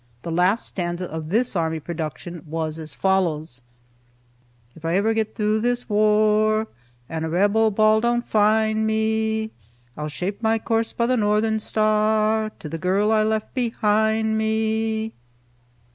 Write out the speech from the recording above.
The last stanza of this army production was as follows: "If ever I get through this war, And a Rebel ball don't find me, I'll shape my course by the northern star, To the girl I left behind me."